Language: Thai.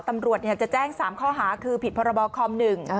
ตำรวจจะแจ้ง๓ข้อหาคือผิดพระบอบคอม๑